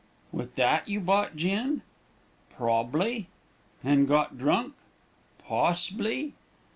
"'With that you bought gin?' "'Prob'bly.' "'And got drunk?' "'Poss'bly.'